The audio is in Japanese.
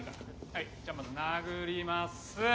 はいじゃあまず殴ります。